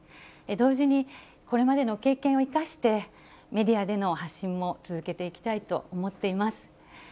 同時にこれまでの経験を生かして、メディアでの発信も続けていきたいと思っています。